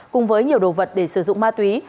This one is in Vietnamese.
cùng với nhiều đồ vật để sử dụng ma túy